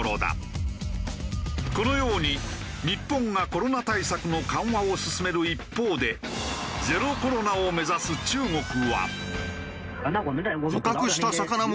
このように日本がコロナ対策の緩和を進める一方でゼロコロナを目指す中国は。